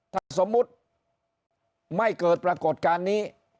ถ้าสมมุติไม่เกิดปรากฏการณ์นี้